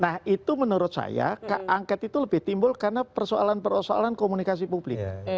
nah itu menurut saya angket itu lebih timbul karena persoalan persoalan komunikasi publik